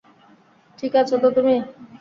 ঠিক আছো তো তুমি?